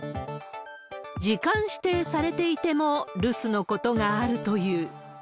時間指定されていても留守のことがあるという。